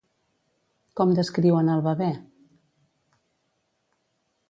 Com descriuen al bebè?